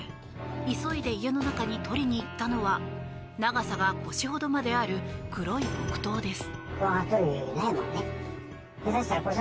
急いで家の中に取りに行ったのは長さが腰ほどまである黒い木刀です。